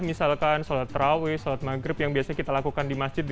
misalkan sholat terawih sholat maghrib yang biasanya kita lakukan di masjid